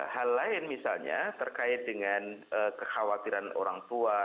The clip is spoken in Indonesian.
hal lain misalnya terkait dengan kekhawatiran orang tua